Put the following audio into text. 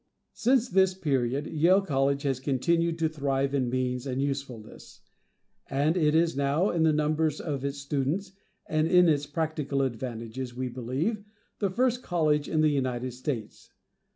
Since this period Yale College has continued to thrive in means and usefulness, and it is now, in the numbers of its students, and in its practical advantages, we believe, the first College in the United States.